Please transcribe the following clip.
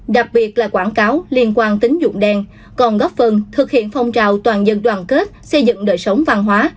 đặc biệt là quảng cáo liên quan tính dụng đen còn góp phần thực hiện phong trào toàn dân đoàn kết xây dựng đời sống văn hóa